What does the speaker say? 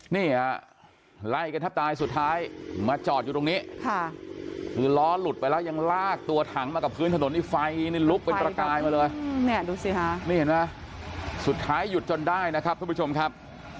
นี่ฮะไล่กันแทบตายสุดท้ายมาจอดอยู่ตรงนี้ค่ะคือล้อหลุดไปแล้วยังลากตัวถังมากับพื้นถนนนี่ไฟนี่ลุกเป็นประกายมาเลยเนี่ยดูสิค่ะนี่เห็นไหมสุดท้ายหยุดจนได้นะครับทุกผู้ชมครับ